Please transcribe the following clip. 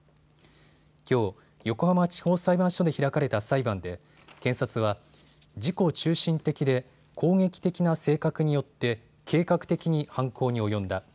きょう横浜地方裁判所で開かれた裁判で検察は自己中心的で攻撃的な性格によって計画的に犯行に及んだ。